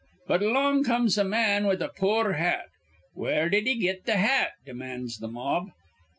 But along comes a man with a poor hat. 'Where did he get th' hat?' demands th' mob.